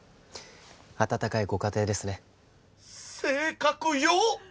温かいご家庭ですね性格良っ！